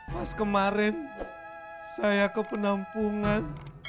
pas kemarin saya ke penampungan